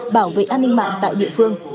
bảo vệ an ninh mạng tại địa phương